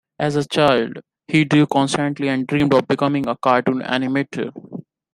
As a child, he drew constantly and dreamed of becoming a cartoon animator.